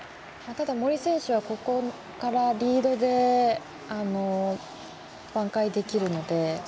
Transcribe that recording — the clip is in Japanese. ただ、森選手はここからリードで挽回できるので。